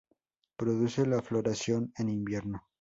Produce la floración en invierno.